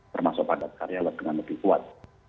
termasuk padat karya yang lebih kuat